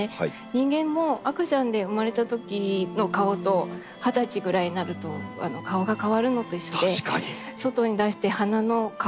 人間も赤ちゃんで生まれたときの顔と二十歳ぐらいになると顔が変わるのと一緒で外に出して花の顔